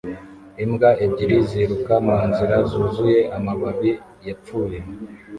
Imbwa ebyiri ziruka munzira zuzuye amababi yapfuye